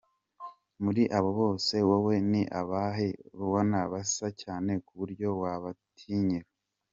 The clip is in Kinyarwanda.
Muri aba bose wowe ni abahe ubona basa cyane kuburyo wanabitiranya?.